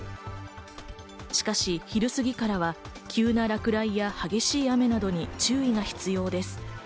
しかし昼過ぎからは急な落雷や激しい雨などに注意が必要です。